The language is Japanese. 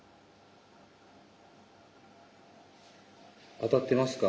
あたってますか？